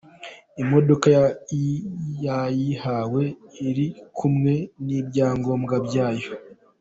Imodoka yayihawe iri kumwe n'ibyangombwa byayo.